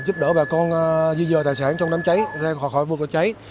giúp đỡ bà con di dời tài sản trong đám cháy ra khỏi vực cháy